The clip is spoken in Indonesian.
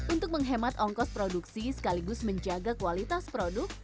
untuk menghemat ongkos produksi sekaligus menjaga kualitas produk